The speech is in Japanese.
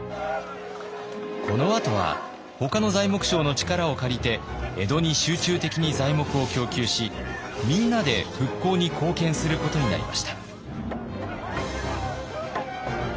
このあとはほかの材木商の力を借りて江戸に集中的に材木を供給しみんなで復興に貢献することになりました。